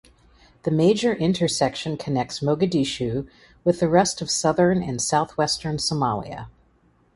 The major intersection connects Mogadishu with the rest of southern and southwestern Somalia.